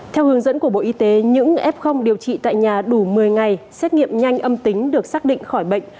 theo hướng dẫn của bộ y tế những f điều trị tại nhà đủ một mươi ngày xét nghiệm nhanh âm tính được xác định khỏi bệnh